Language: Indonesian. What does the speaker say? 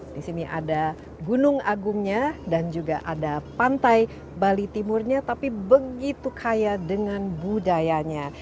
di sini ada gunung agungnya dan juga ada pantai bali timurnya tapi begitu kaya dengan budayanya